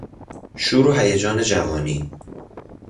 شور و هیجان جوانی